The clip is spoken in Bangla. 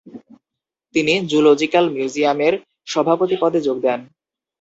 তিনি জ্যুলজিক্যাল মিউজিয়ামের সভাপতি পদে যোগ দেন।